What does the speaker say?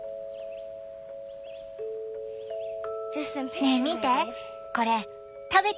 ねぇ見て。